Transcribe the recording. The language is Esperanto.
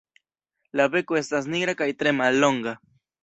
La beko estas nigra kaj tre mallonga.